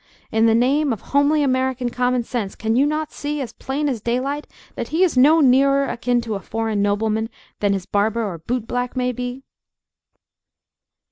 In the name of homely American common sense, can you not see, as plain as daylight, that he is no nearer akin to a foreign nobleman than his barber or boot black may be?"